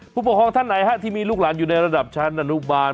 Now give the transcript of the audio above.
ผู้ปกครองท่านไหนที่มีลูกหลานอยู่ในระดับชั้นอนุบาล